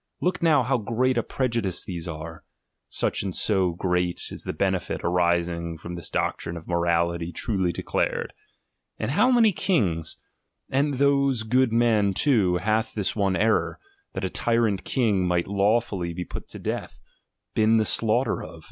Look now, how great a pre judice these are; such and so great is the benefit arising from this doctrine of morality truly de clared. How many kings, and those good men too, hath this one error, that a tyrant king might lawfully be put to death, been the slaughter of!